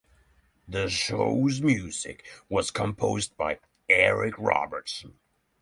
The show's music was composed by Eric Robertson.